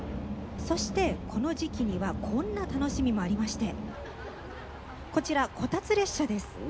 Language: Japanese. そしてこの時期にはこんな楽しみもありましてこちらこたつ列車です。